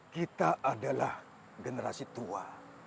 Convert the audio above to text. kita adalah generasi tua